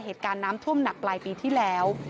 เหตุการณ์น้ำท่วมหนักปลายปีที่แล้ว